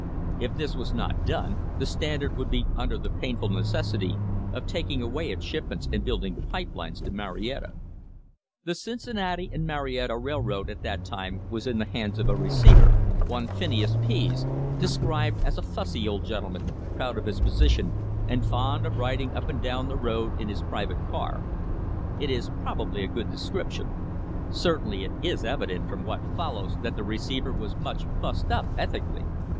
If this was not done the Standard would be under the painful necessity of taking away its shipments and building pipe lines to Marietta. The Cincinnati and Marietta Rail road at that time was in the hands of a receiver, one Phineas Pease described as a "fussy old gentleman, proud of his position and fond of riding up and down the road in his THE WAR ON THE REBATE private car." It is probably a good description. Certainly it is evident from what follows that the receiver was much "fussed up" ethically.